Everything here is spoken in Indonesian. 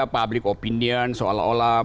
public opinion seolah olah